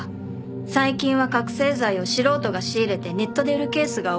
最近は覚醒剤を素人が仕入れてネットで売るケースが多い。